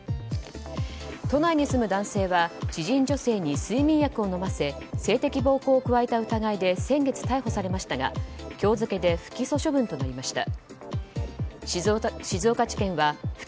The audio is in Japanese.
都内に住む男性は知人女性に睡眠薬を飲ませ性的暴行を加えた疑いで先月逮捕されましたが今日付で不起訴処分となりました。